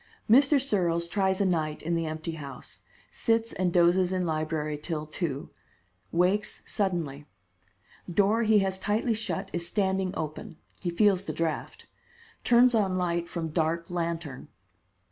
Mr. Searles tries a night in the empty house. Sits and dozes in library till two. Wakes suddenly. Door he has tightly shut is standing open. He feels the draft. Turns on light from dark lantern.